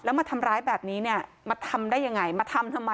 แล้วมาทำร้ายแบบนี้เนี่ยมาทำได้ยังไงมาทำทำไม